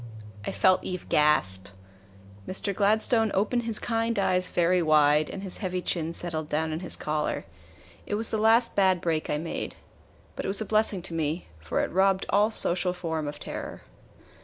I felt Eve gasp. Mr. Gladstone opened his kind eyes very wide, and his heavy chin settled down in his collar. It was the last bad break I made. But it was a blessing to me, for it robbed all social form of terror.